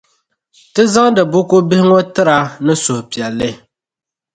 Ti zaŋdi buku bihi ŋɔ n-tir' a ni suhi piɛlli.